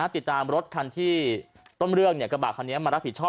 ติดตามรถคันที่ต้นเรื่องกระบะคันนี้มารับผิดชอบ